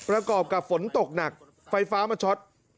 ประกอบกับฝนตกหนักไฟฟ้ามาช็อต